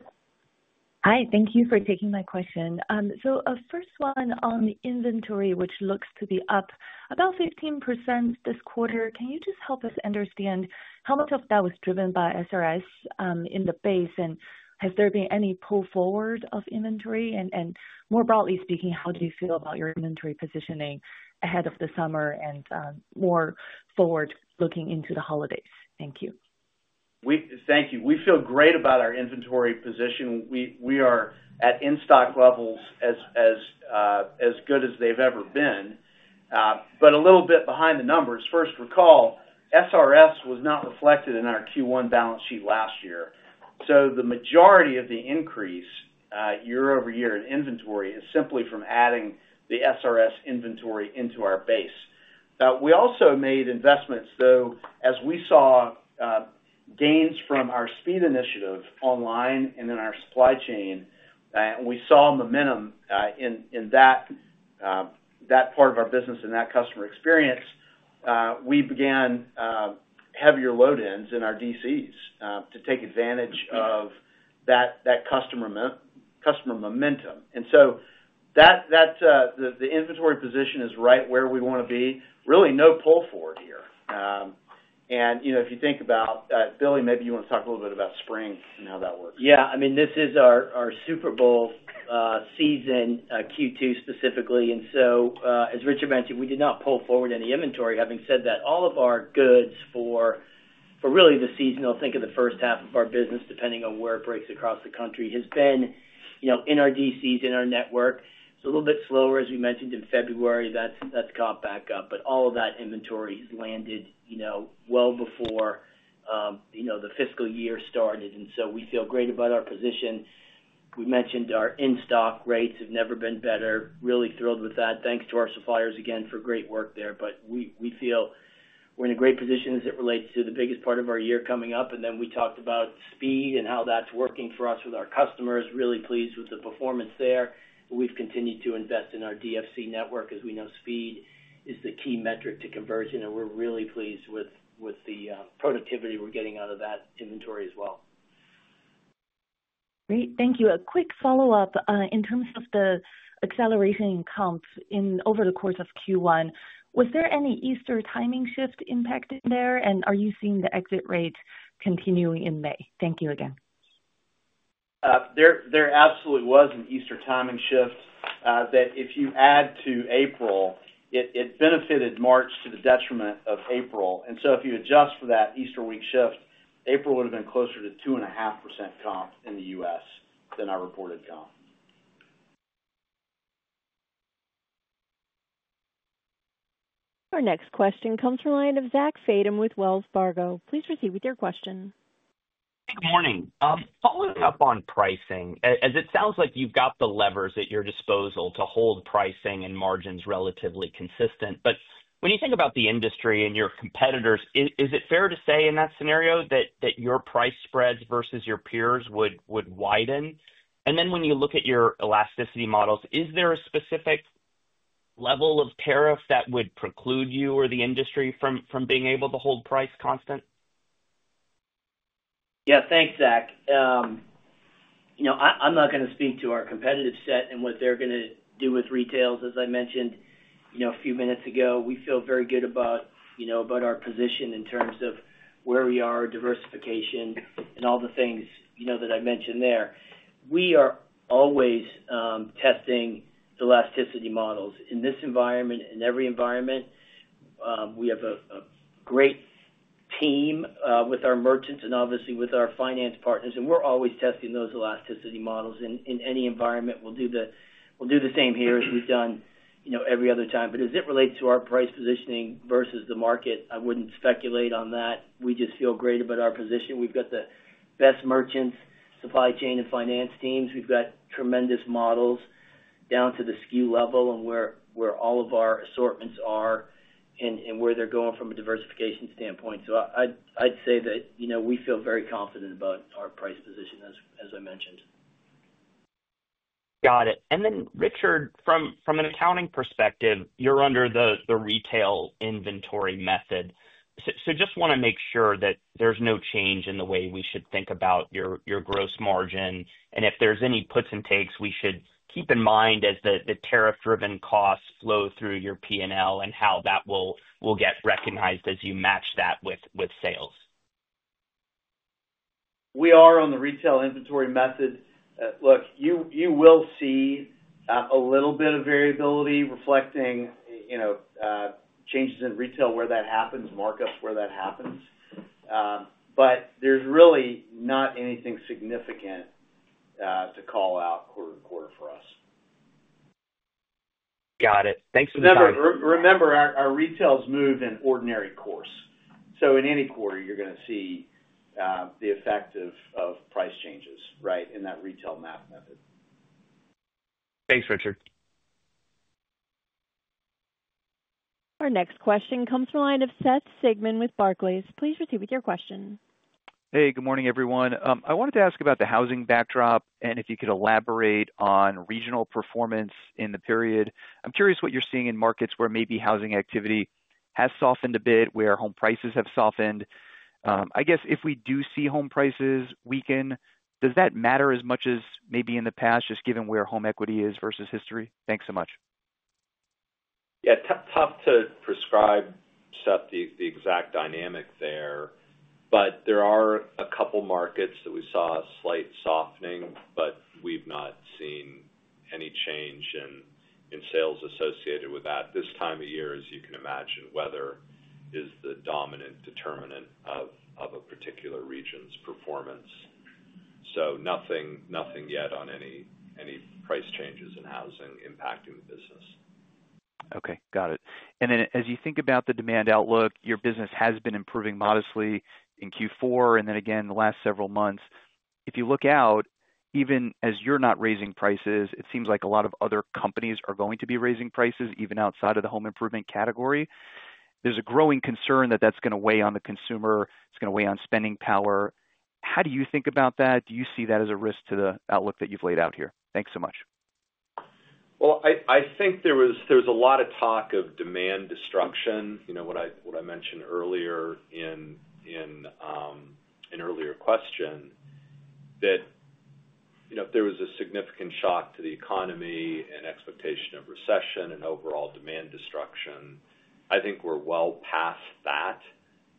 Speaker 11: Hi. Thank you for taking my question. First one on the inventory, which looks to be up about 15% this quarter, can you just help us understand how much of that was driven by SRS in the base? Has there been any pull forward of inventory? More broadly speaking, how do you feel about your inventory positioning ahead of the summer and more forward looking into the holidays? Thank you.
Speaker 3: Thank you. We feel great about our inventory position. We are at in-stock levels as good as they've ever been, but a little bit behind the numbers. First, recall, SRS was not reflected in our Q1 balance sheet last year. The majority of the increase year-over-year in inventory is simply from adding the SRS inventory into our base. We also made investments, though, as we saw gains from our speed initiative online and in our supply chain, and we saw momentum in that part of our business and that customer experience, we began heavier load-ins in our DCs to take advantage of that customer momentum. The inventory position is right where we want to be. Really no pull forward here. If you think about—Billy, maybe you want to talk a little bit about spring and how that works.
Speaker 5: Yeah. I mean, this is our Super Bowl season, Q2 specifically. As Richard mentioned, we did not pull forward any inventory. Having said that, all of our goods for really the season—I will think of the first half of our business, depending on where it breaks across the country—has been in our DCs, in our network. It is a little bit slower, as we mentioned, in February. That has caught back up. All of that inventory has landed well before the fiscal year started. We feel great about our position. We mentioned our in-stock rates have never been better. Really thrilled with that. Thanks to our suppliers, again, for great work there. We feel we are in a great position as it relates to the biggest part of our year coming up. We talked about speed and how that is working for us with our customers. Really pleased with the performance there. We've continued to invest in our DFC network, as we know speed is the key metric to conversion. We're really pleased with the productivity we're getting out of that inventory as well.
Speaker 11: Great. Thank you. A quick follow-up. In terms of the acceleration in comp over the course of Q1, was there any Easter timing shift impacted there? Are you seeing the exit rate continuing in May? Thank you again.
Speaker 6: There absolutely was an Easter timing shift that if you add to April, it benefited March to the detriment of April. If you adjust for that Easter week shift, April would have been closer to 2.5% comp in the U.S. than our reported comp.
Speaker 1: Our next question comes from the line of Zack Fadem with Wells Fargo. Please proceed with your question.
Speaker 12: Good morning. Following up on pricing, as it sounds like you've got the levers at your disposal to hold pricing and margins relatively consistent. When you think about the industry and your competitors, is it fair to say in that scenario that your price spreads versus your peers would widen? When you look at your elasticity models, is there a specific level of tariff that would preclude you or the industry from being able to hold price constant?
Speaker 5: Yeah. Thanks, Zach. I'm not going to speak to our competitive set and what they're going to do with retails, as I mentioned a few minutes ago. We feel very good about our position in terms of where we are, diversification, and all the things that I mentioned there. We are always testing elasticity models in this environment and every environment. We have a great team with our merchants and obviously with our finance partners. We're always testing those elasticity models in any environment. We'll do the same here as we've done every other time. As it relates to our price positioning versus the market, I wouldn't speculate on that. We just feel great about our position. We've got the best merchants, supply chain, and finance teams. We've got tremendous models down to the SKU level and where all of our assortments are and where they're going from a diversification standpoint. I’d say that we feel very confident about our price position, as I mentioned.
Speaker 12: Got it. Richard, from an accounting perspective, you're under the retail inventory method. I just want to make sure that there's no change in the way we should think about your gross margin. If there's any puts and takes, we should keep in mind as the tariff-driven costs flow through your P&L and how that will get recognized as you match that with sales.
Speaker 6: We are on the retail inventory method. Look, you will see a little bit of variability reflecting changes in retail where that happens, markups where that happens. There is really not anything significant to call out quarter to quarter for us.
Speaker 12: Got it. Thanks for the time.
Speaker 6: Remember, our retails move in ordinary course. In any quarter, you're going to see the effect of price changes, right, in that retail math method.
Speaker 12: Thanks, Richard.
Speaker 1: Our next question comes from the line of Seth Sigman with Barclays. Please proceed with your question.
Speaker 13: Hey, good morning, everyone. I wanted to ask about the housing backdrop and if you could elaborate on regional performance in the period. I'm curious what you're seeing in markets where maybe housing activity has softened a bit, where home prices have softened. I guess if we do see home prices weaken, does that matter as much as maybe in the past, just given where home equity is versus history? Thanks so much.
Speaker 3: Yeah. Tough to prescribe, Seth, the exact dynamic there. There are a couple of markets that we saw a slight softening, but we've not seen any change in sales associated with that. This time of year, as you can imagine, weather is the dominant determinant of a particular region's performance. Nothing yet on any price changes in housing impacting the business.
Speaker 13: Okay. Got it. As you think about the demand outlook, your business has been improving modestly in Q4 and then again the last several months. If you look out, even as you're not raising prices, it seems like a lot of other companies are going to be raising prices, even outside of the home improvement category. There's a growing concern that that's going to weigh on the consumer. It's going to weigh on spending power. How do you think about that? Do you see that as a risk to the outlook that you've laid out here? Thanks so much.
Speaker 3: I think there was a lot of talk of demand destruction, what I mentioned earlier in an earlier question, that if there was a significant shock to the economy and expectation of recession and overall demand destruction, I think we're well past that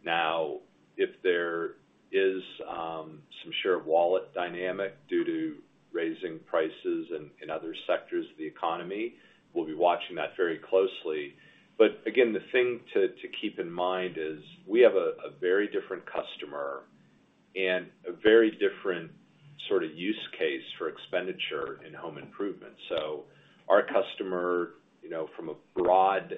Speaker 3: now. If there is some share of wallet dynamic due to raising prices in other sectors of the economy, we'll be watching that very closely. Again, the thing to keep in mind is we have a very different customer and a very different sort of use case for expenditure in home improvement. Our customer, from a broad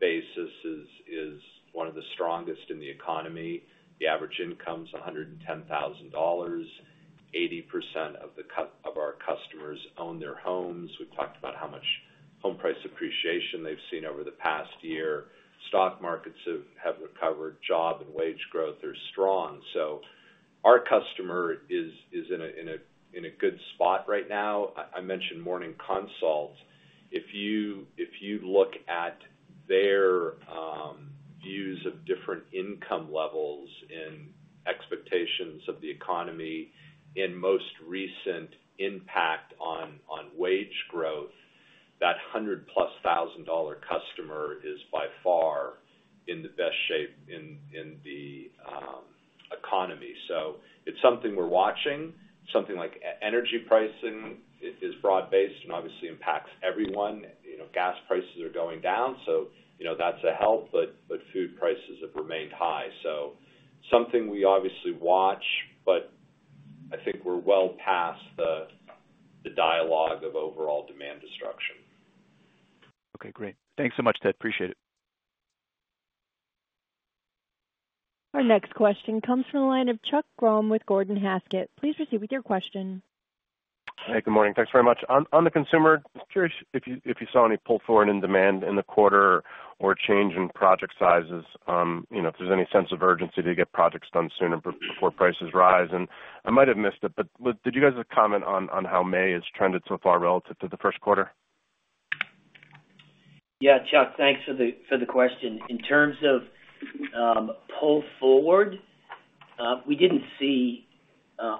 Speaker 3: basis, is one of the strongest in the economy. The average income is $110,000. 80% of our customers own their homes. We've talked about how much home price appreciation they've seen over the past year. Stock markets have recovered. Job and wage growth are strong. Our customer is in a good spot right now. I mentioned Morning Consult. If you look at their views of different income levels and expectations of the economy and most recent impact on wage growth, that $100,000+ customer is by far in the best shape in the economy. It is something we are watching. Something like energy pricing is broad-based and obviously impacts everyone. Gas prices are going down, so that is a help. Food prices have remained high. It is something we obviously watch, but I think we are well past the dialogue of overall demand destruction.
Speaker 13: Okay. Great. Thanks so much, Ted. Appreciate it.
Speaker 1: Our next question comes from the line of Chuck Grom with Gordon Haskett. Please proceed with your question.
Speaker 14: Hey, good morning. Thanks very much. On the consumer, I'm curious if you saw any pull forward in demand in the quarter or a change in project sizes, if there's any sense of urgency to get projects done sooner before prices rise. I might have missed it, but did you guys have a comment on how May has trended so far relative to the first quarter?
Speaker 5: Yeah. Chuck, thanks for the question. In terms of pull forward, we did not see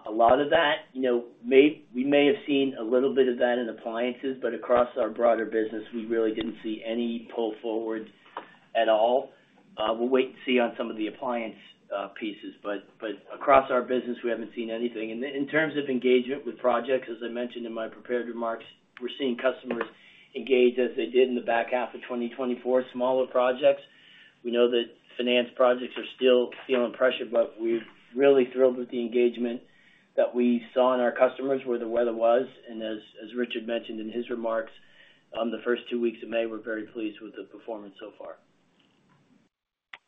Speaker 5: a lot of that. We may have seen a little bit of that in appliances, but across our broader business, we really did not see any pull forward at all. We will wait and see on some of the appliance pieces. Across our business, we have not seen anything. In terms of engagement with projects, as I mentioned in my prepared remarks, we are seeing customers engage as they did in the back half of 2024, smaller projects. We know that finance projects are still feeling pressure, but we are really thrilled with the engagement that we saw in our customers where the weather was. As Richard mentioned in his remarks, the first two weeks of May, we are very pleased with the performance so far.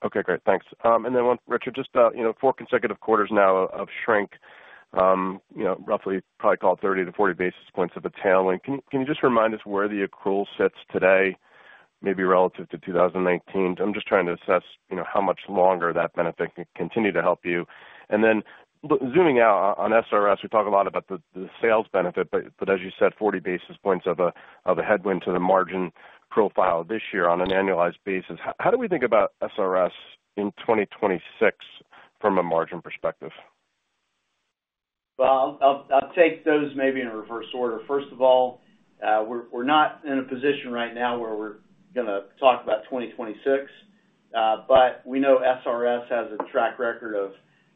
Speaker 14: Okay. Great. Thanks. Richard, just four consecutive quarters now of shrink, roughly probably called 30-40 basis points of a tailwind. Can you just remind us where the accrual sits today, maybe relative to 2019? I'm just trying to assess how much longer that benefit can continue to help you. Zooming out on SRS, we talk a lot about the sales benefit, but as you said, 40 basis points of a headwind to the margin profile this year on an annualized basis. How do we think about SRS in 2026 from a margin perspective?
Speaker 6: I'll take those maybe in reverse order. First of all, we're not in a position right now where we're going to talk about 2026, but we know SRS has a track record of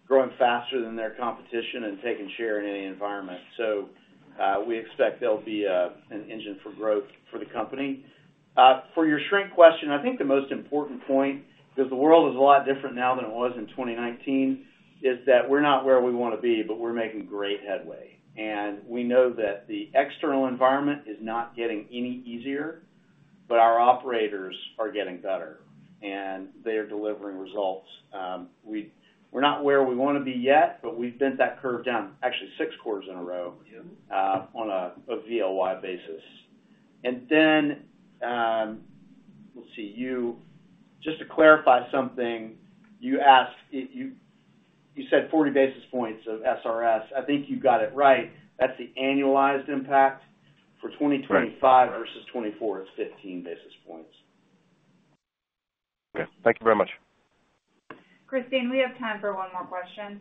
Speaker 6: growing faster than their competition and taking share in any environment. We expect there'll be an engine for growth for the company. For your shrink question, I think the most important point, because the world is a lot different now than it was in 2019, is that we're not where we want to be, but we're making great headway. We know that the external environment is not getting any easier, but our operators are getting better, and they are delivering results. We're not where we want to be yet, but we've bent that curve down, actually six quarters in a row on a VoY basis. Let's see. Just to clarify something, you said 40 basis points of SRS. I think you got it right. That is the annualized impact for 2025 versus 2024. It is 15 basis points.
Speaker 14: Okay. Thank you very much.
Speaker 2: Christine, we have time for one more question.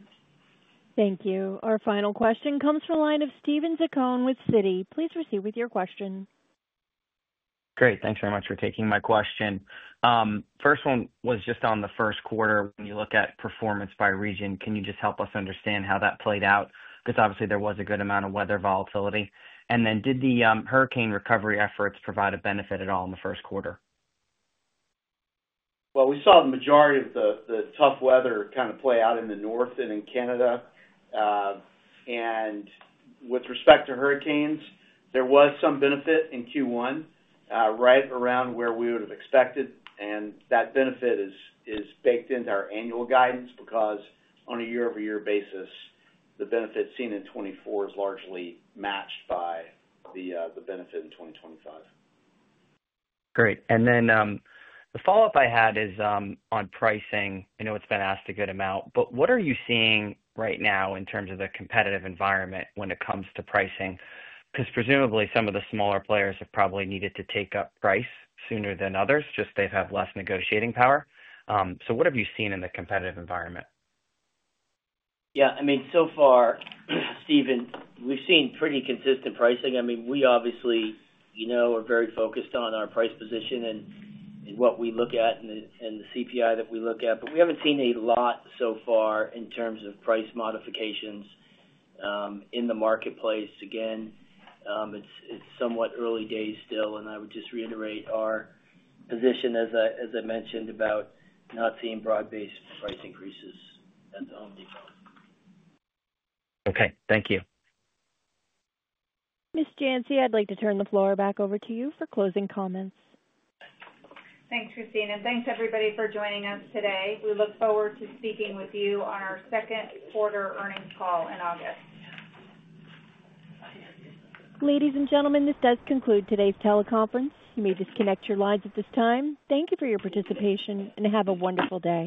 Speaker 1: Thank you. Our final question comes from the line of Steven Zaccone with Citi. Please proceed with your question.
Speaker 15: Great. Thanks very much for taking my question. First one was just on the first quarter. When you look at performance by region, can you just help us understand how that played out? Because obviously, there was a good amount of weather volatility. Did the hurricane recovery efforts provide a benefit at all in the first quarter?
Speaker 3: We saw the majority of the tough weather kind of play out in the north and in Canada. With respect to hurricanes, there was some benefit in Q1 right around where we would have expected. That benefit is baked into our annual guidance because on a year-over-year basis, the benefit seen in 2024 is largely matched by the benefit in 2025.
Speaker 15: Great. The follow-up I had is on pricing. I know it's been asked a good amount, but what are you seeing right now in terms of the competitive environment when it comes to pricing? Because presumably, some of the smaller players have probably needed to take up price sooner than others, just they've had less negotiating power. What have you seen in the competitive environment?
Speaker 5: Yeah. I mean, so far, Steven, we've seen pretty consistent pricing. I mean, we obviously are very focused on our price position and what we look at and the CPI that we look at. We haven't seen a lot so far in terms of price modifications in the marketplace. Again, it's somewhat early days still. I would just reiterate our position, as I mentioned, about not seeing broad-based price increases. That's The Home Depot.
Speaker 15: Okay. Thank you.
Speaker 1: Miss Janci, I'd like to turn the floor back over to you for closing comments.
Speaker 2: Thanks, Christine. Thanks, everybody, for joining us today. We look forward to speaking with you on our second quarter earnings call in August.
Speaker 1: Ladies and gentlemen, this does conclude today's teleconference. You may disconnect your lines at this time. Thank you for your participation, and have a wonderful day.